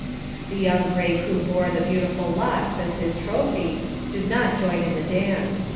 The young brave who bore the beautiful locks as his trophy, did not join in the dance.